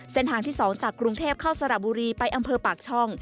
เส้นทางที่๒จากกรุงเทพเข้าสระบุรีไปอำเภอปากช่อง